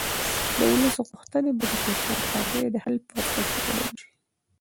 د ولس غوښتنې باید د فشار پر ځای د حل فرصت وګڼل شي